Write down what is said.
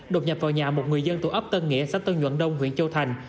đột nhập vào nhà một người dân thuộc ấp tân nghĩa xã tân nhuận đông huyện châu thành